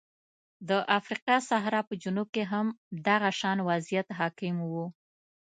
د افریقا صحرا په جنوب کې هم دغه شان وضعیت حاکم و.